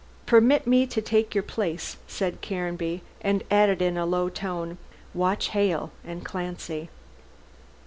"Permit me to take your place," said Caranby, and added in a low tone, "watch Hale and Clancy!"